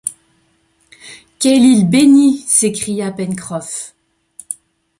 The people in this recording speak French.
Quelle île bénie s’écria Pencroff